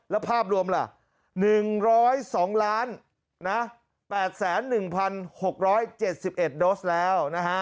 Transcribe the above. แล้วภาพรวมล่ะ๑๐๒๘๑๖๗๑โดสแล้วนะฮะ